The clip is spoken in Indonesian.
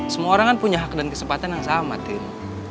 semua orang kan punya hak dan kesempatan yang sama tim